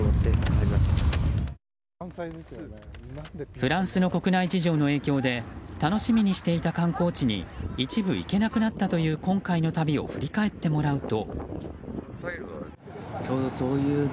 フランスの国内事情の影響で楽しみにしていた観光地に一部行けなくなったという今回の旅を振り返ってもらうと。